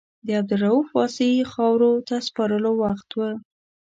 د عبدالرؤف واسعي خاورو ته سپارلو وخت و.